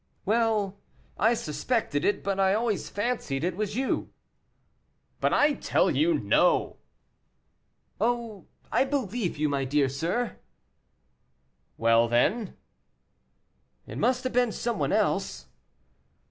"Well, I suspected it, but I always fancied it was you." "But I tell you, no!" "Oh, I believe you, my dear sir." "Well, then " "It must have been some one else."